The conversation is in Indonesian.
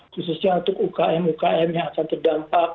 khususnya untuk ukm ukm yang akan terdampak